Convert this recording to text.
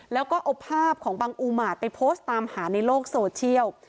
แล้วก็เอาภาพของบังอุมาตไปโพสต์ตามหาในโลกโซเชียล